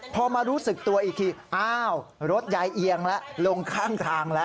พอมารู้สึกตัวอีกทีอ้าวรถยายเอียงแล้วลงข้างทางแล้ว